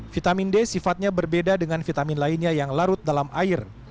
vitamin d sifatnya berbeda dengan vitamin lainnya yang larut dalam air